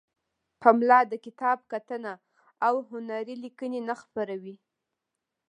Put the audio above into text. پملا د کتاب کتنه او هنری لیکنې نه خپروي.